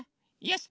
よし！